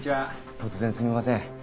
突然すみません。